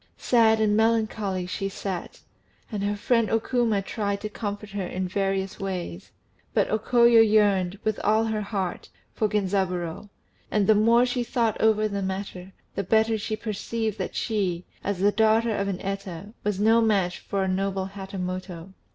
Sad and melancholy she sat, and her friend O Kuma tried to comfort her in various ways; but O Koyo yearned, with all her heart, for Genzaburô; and the more she thought over the matter, the better she perceived that she, as the daughter of an Eta, was no match for a noble Hatamoto.